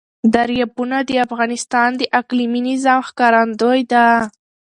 دریابونه د افغانستان د اقلیمي نظام ښکارندوی ده.